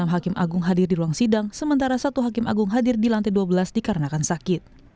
enam hakim agung hadir di ruang sidang sementara satu hakim agung hadir di lantai dua belas dikarenakan sakit